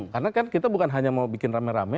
karena kan kita bukan hanya mau bikin rame rame